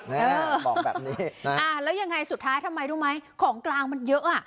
บอกแบบนี้อ่าแล้วยังไงสุดท้ายทำไมรู้ไหมของกลางมันเยอะอ่ะ